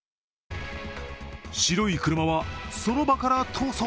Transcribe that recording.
白い車はその場から逃走。